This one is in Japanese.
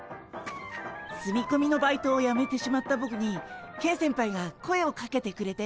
住みこみのバイトをやめてしまったボクにケン先輩が声をかけてくれて。